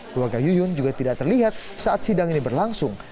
keluarga yuyun juga tidak terlihat saat sidang ini berlangsung